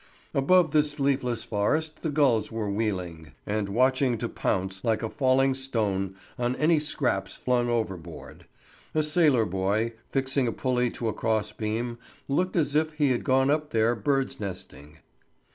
Above this leafless forest the gulls were wheeling, and watching to pounce, like a falling stone, on any scraps flung overboard; a sailor boy, fixing a pulley to a cross beam, looked as if he had gone up there bird's nesting.